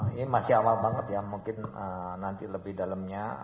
ini masih awal banget ya mungkin nanti lebih dalamnya